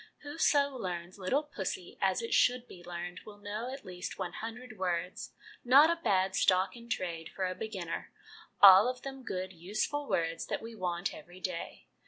Whoso learns 'Little Pussy' as it should be learned will know at least one hundred words not a bad stock in trade for a beginner all of them good useful words that we want every day.